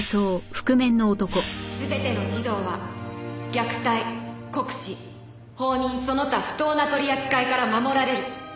「すべての児童は虐待・酷使・放任その他不当な取扱からまもられる」